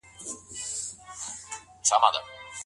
د مظلومو کسانو حقوق ولي پايمال کېږي؟